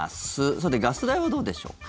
さて、ガス代はどうでしょう。